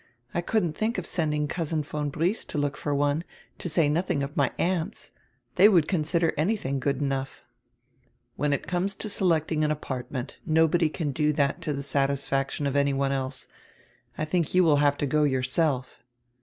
I couldn't think of sending Cousin von Briest to look for one, to say nothing of my aunts. They would consider anything good enough." "When it comes to selecting an apartment, nobody can do that to tire satisfaction of any one else. I think you will have to go yourself."